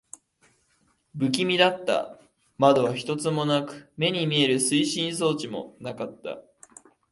不気味だった。窓は一つもなく、目に見える推進装置もなかった。